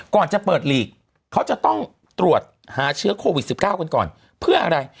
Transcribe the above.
ก่อนจะเปิดหลีกเขาจะต้องตรวจหาเชื้อโควิด๑๙กันก่อนเพื่ออะไร